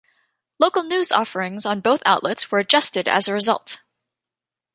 Local news offerings on both outlets were adjusted as a result.